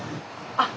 あっ！